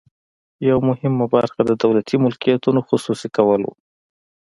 یوه مهمه برخه د دولتي ملکیتونو خصوصي کول وو.